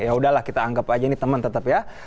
yaudah lah kita anggap aja ini teman tetap ya